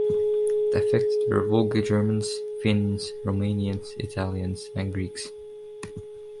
The affected were Volga Germans, Finns, Romanians, Italians, and Greeks.